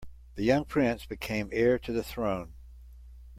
The young prince became heir to the throne.